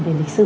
về lịch sử